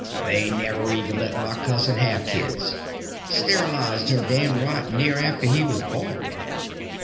"They never even let my cousin have kids. Sterilized him damn near right after he was born."